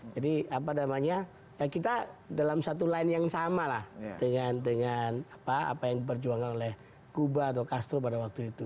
jadi kita dalam satu line yang sama dengan apa yang diperjuangkan oleh kuba atau castro pada waktu itu